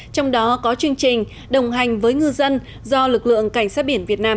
trong đó có chương trình đồng hành với ngư dân do lực lượng cảnh sát biển việt nam